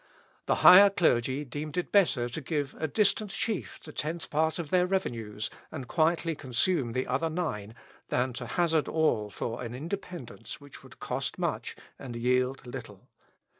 The higher clergy deemed it better to give a distant chief the tenth part of their revenues, and quietly consume the other nine, than to hazard all for an independence which would cost much and yield little.